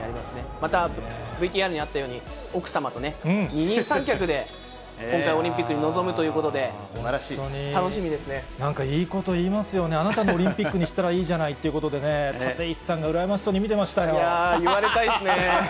またＶＴＲにあったように、奥様とね、二人三脚で今回、オリンピックに臨むということで、なんかいいこと言いますよね、あなたのオリンピックにしたらいいじゃないということでね、立石さんが羨ましそうに見てましたよ。